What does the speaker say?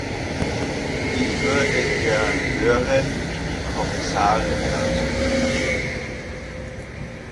Ich würde gern hören, wie die Kommissarin dazu steht.